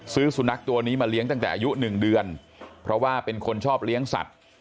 สุนัขตัวนี้มาเลี้ยงตั้งแต่อายุ๑เดือนเพราะว่าเป็นคนชอบเลี้ยงสัตว์